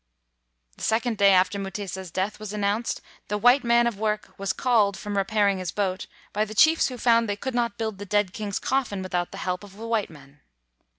The second day after Mutesa's death was announced, the "white man of work" was called from repairing his boat by the chiefs who found they could not build the dead king's coffin without the help of the white men.